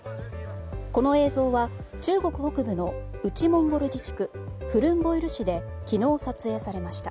この映像は中国北部の内モンゴル自治区フルンボイル市で昨日撮影されました。